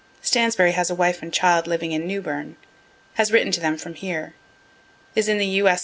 Stansbury has a wife and child living in Newbern has written to them from here is in the U. S.